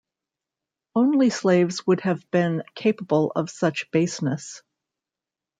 Only slaves would have been capable of such baseness.